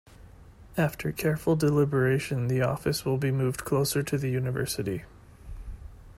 After careful deliberation, the office will be moved closer to the University.